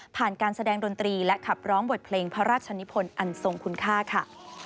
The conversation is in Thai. การแสดงดนตรีและขับร้องบทเพลงพระราชนิพลอันทรงคุณค่าค่ะ